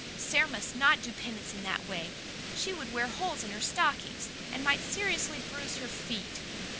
"Sara must not do penance in that way. She would wear holes in her stockings, and might seriously bruise her feet."